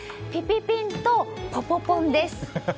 ピピピンとポポポンです。